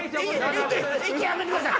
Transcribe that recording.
一気やめてください！